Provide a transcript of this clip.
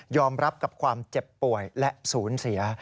รับกับความเจ็บป่วยและศูนย์เสีย